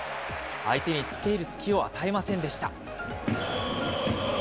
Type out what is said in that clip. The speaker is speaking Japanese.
相手につけいる隙を与えませんでした。